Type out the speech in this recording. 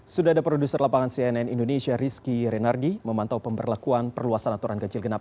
sudah ada produser lapangan cnn indonesia rizky renardi memantau pemberlakuan perluasan aturan ganjil genap